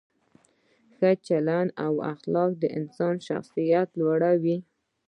ښه چلند او اخلاق د انسان شخصیت لوړوي.